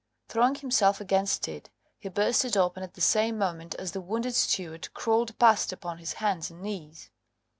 Throwing himself against it, he burst it open at the same moment as the wounded steward crawled past upon his hands and knees.